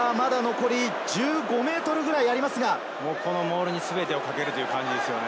残り１０ｍくらいありまこのモールに全てをかけるという感じですね。